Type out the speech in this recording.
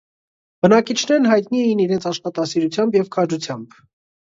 Բնակիչներն հայտնի էին իրենց աշխատասիրությամբ և քաջությամբ։